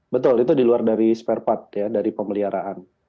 betul itu di luar dari spare part ya dari pemeliharaan